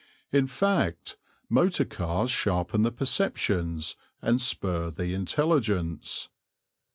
In fact, motor cars sharpen the perceptions and spur the intelligence.